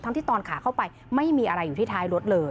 ที่ตอนขาเข้าไปไม่มีอะไรอยู่ที่ท้ายรถเลย